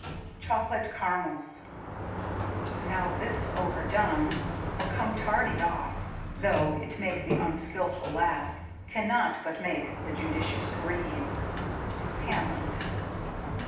^%>. 54 J^ CHOCOLATE CARAMELS Now this overdone, or come tardy off, though it make the unskilful laugh, cannot but make the judicious grieve. — Hamlet.